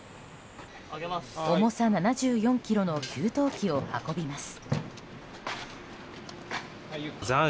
重さ７４ｋｇの給湯器を運びます。